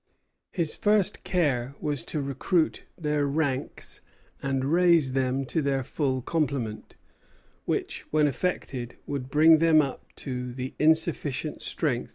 His first care was to recruit their ranks and raise them to their full complement; which, when effected, would bring them up to the insufficient strength of about forty four hundred men.